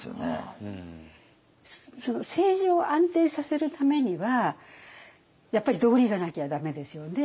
政治を安定させるためにはやっぱり道理がなきゃ駄目ですよね。